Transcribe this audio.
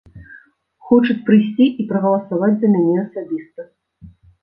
Хочуць прыйсці і прагаласаваць за мяне асабіста.